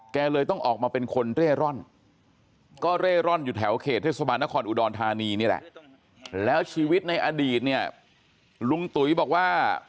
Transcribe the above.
เลยต้องออกมาเป็นคนเร่ร่อนก็เร่ร่อนอยู่แถวเขตเทศบาลนครอุดรธานีนี่แหละแล้วชีวิตในอดีตเนี่ยลุงตุ๋ยบอกว่า